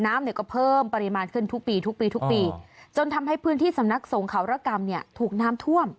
น้ำเนี่ยก็เพิ่มปริมาณขึ้นทุกปีทุกปีทุกปีจนทำให้พื้นที่สำนักสงเขาระกรรมเนี่ยถูกน้ำท่วม